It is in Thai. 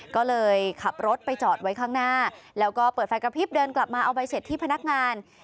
ก็เลยขับรถไปจอดไว้ข้างหน้าแล้วก็เปิดไฟกระพริบเดินกลับมาเอาใบเสร็จที่พนักงาน